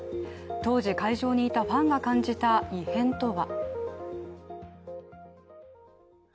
当時会場にいたファンが感じた異変とは。